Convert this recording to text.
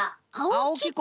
あおきこ？